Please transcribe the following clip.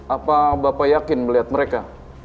apa bapak yakin melihat mereka